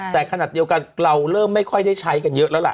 แต่ขณะเดียวกันเราเริ่มไม่ค่อยได้ใช้กันเยอะแล้วล่ะ